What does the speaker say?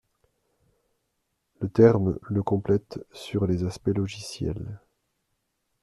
Le terme le complète sur les aspects logiciels.